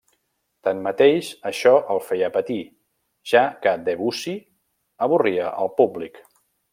Tanmateix, això el feia patir, ja que Debussy avorria al públic.